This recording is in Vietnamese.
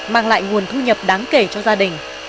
mang lại nguồn thu nhập đáng kể cho gia đình